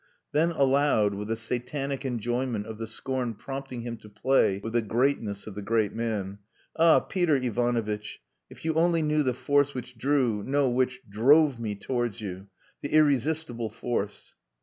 Then aloud, with a satanic enjoyment of the scorn prompting him to play with the greatness of the great man "Ah, Peter Ivanovitch, if you only knew the force which drew no, which drove me towards you! The irresistible force."